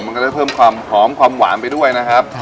มันก็ได้เพิ่มความหอมความหวานไปด้วยนะครับ